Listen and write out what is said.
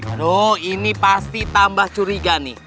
aduh ini pasti tambah curiga nih